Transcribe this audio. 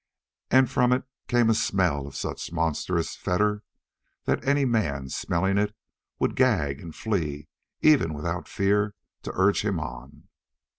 And from it came a smell of such monstrous foetor that any man, smelling it, would gag and flee even without fear to urge him on.